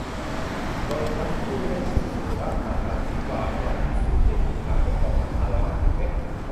โดยทั้งคู่ได้จูงมือลั่นระฆังวิวาห์เมื่อวันที่ สิบเจ็ด สิงหาคม สองพันห้าร้อยห้าสิบเจ็ด